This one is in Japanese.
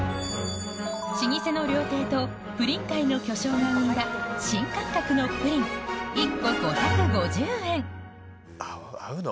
老舗の料亭とプリン界の巨匠が生んだ新感覚のプリン合うの？